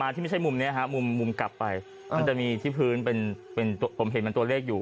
อันนี้ถามได้ไหมครับให้ดูอีกทีไหมได้ไหมล่ะ